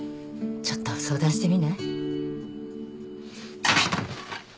ちょっと相談してみない？